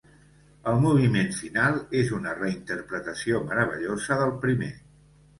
El moviment final és una reinterpretació meravellosa del primer.